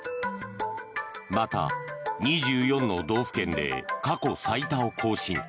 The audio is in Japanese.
また２４の道府県で過去最多を更新。